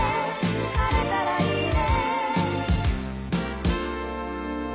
「晴れたらいいね」